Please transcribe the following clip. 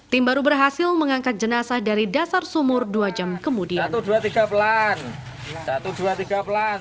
tim baru berhasil mengangkat jenasa dari dasar sumur dua jam kemudian